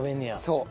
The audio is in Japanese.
そう。